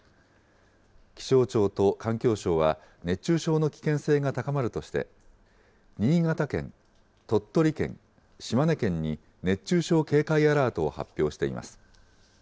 気象庁と環境省は熱中症の危険性が高まるとして、新潟県、鳥取県、島根県に熱中症警戒アラートを発表しています。